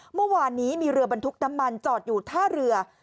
เมื่อวานนี้มีเรือบรรทุกน้ำมันจอดอยู่ท่าเรือ